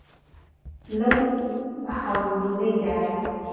لهو بهخهل لوولهیدایه